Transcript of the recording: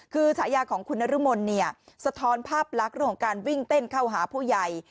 คือฉายาของคุณนรมนเนี่ยสะท้อนภาพลักษณ์เรื่องของการวิ่งเต้นเข้าหาผู้ใหญ่